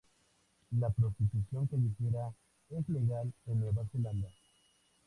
La prostitución callejera es legal en Nueva Zelanda.